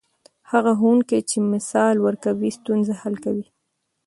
هغه ښوونکی چې مثال ورکوي، ستونزه حل کوي.